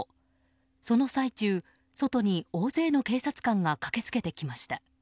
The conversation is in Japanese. その最中、外に大勢の警察官が駆けつけてきました。